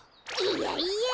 いやいや！